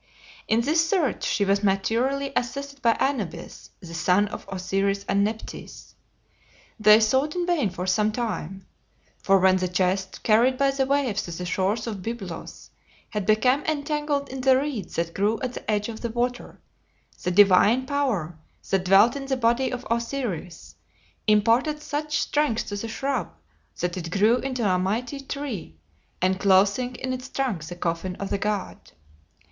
In this search she was materially assisted by Anubis, the son of Osiris and Nephthys. They sought in vain for some time; for when the chest, carried by the waves to the shores of Byblos, had become entangled in the reeds that grew at the edge of the water, the divine power that dwelt in the body of Osiris imparted such strength to the shrub that it grew into a mighty tree, enclosing in its trunk the coffin of the god.